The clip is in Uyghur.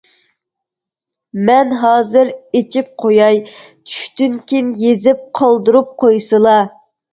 مەن ھازىر ئىچىپ قوياي، چۈشتىن كىيىن يېزىپ قالدۇرۇپ قويسىلا.